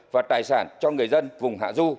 và tài sản cho người dân vùng hạ du